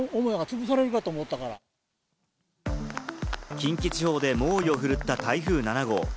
近畿地方で猛威を振るった台風７号。